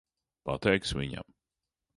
Pateiksi viņam?